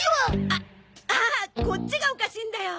あっああっこっちがおかしいんだよ。